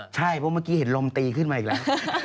ใช่เพราะเมื่อกี้เห็นลมตีขึ้นมาอีกแล้ว